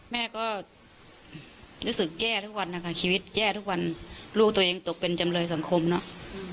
แม่ก็รู้สึกแย่ทุกวันนะคะชีวิตแย่ทุกวันลูกตัวเองตกเป็นจำเลยสังคมเนาะ